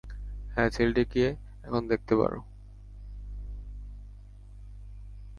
হ্যাঁ, ছেলেটাকে এখন দেখতে পারো।